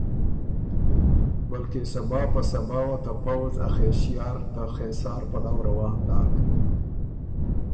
بلکې صبا په صبا وه ته پؤځ ا خېݭیار ته خېسار پلؤ روان داک۔